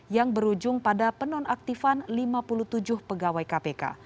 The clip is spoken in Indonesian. yang berujung pada penonaktifan lima puluh tujuh pegawai kpk